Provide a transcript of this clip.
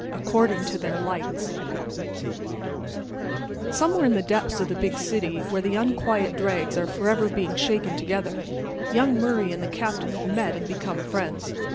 ACCORDING TO THEIR LIGHTS Somewhere in the depths of the big city, where the unquiet dregs are forever being shaken together, young Murray and the Captain had met and become friends.